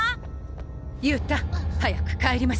勇太早く帰りましょう。